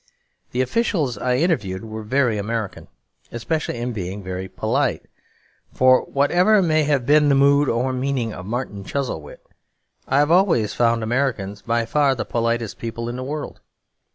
The officials I interviewed were very American, especially in being very polite; for whatever may have been the mood or meaning of Martin Chuzzlewit, I have always found Americans by far the politest people in the world.